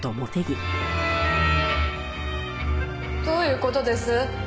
どういう事です？